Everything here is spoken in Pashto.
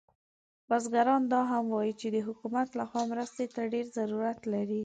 بزګران دا هم وایي چې د حکومت له خوا مرستې ته ډیر ضرورت لري